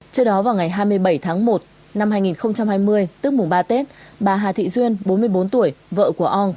trước đó vào ngày hai mươi bảy tháng một năm hai nghìn hai mươi tức mùng ba tết bà hà thị duyên bốn mươi bốn tuổi vợ của ong